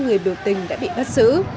bốn mươi ba người biểu tình đã bị bắt xử